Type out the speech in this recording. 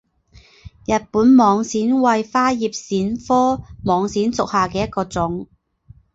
日本网藓为花叶藓科网藓属下的一个种。